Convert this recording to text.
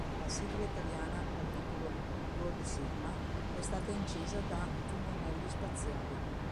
La sigla italiana dal titolo "God Sigma" è stata incisa da I monelli spaziali.